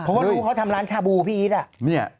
เพราะเขาทำร้านชาบูพี่อีทอ่ะ